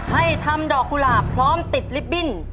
ให้ทำดอกกุหลาบพร้อมติดลิฟตบิ้น